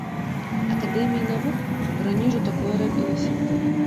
Акадэміі навук, бо раней ужо такое рабілася.